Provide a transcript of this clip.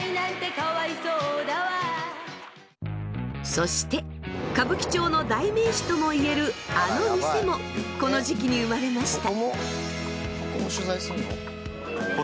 そして歌舞伎町の代名詞ともいえるあの店もこの時期に生まれました。